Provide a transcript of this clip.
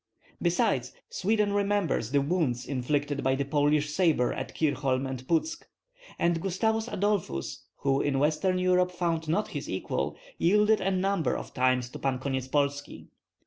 Besides, Sweden remembers the wounds inflicted by the Polish sabre at Kirchholm and Putsk; and Gustavus Adolphus, who in western Europe found not his equal, yielded a number of times to Pan Konyetspolski.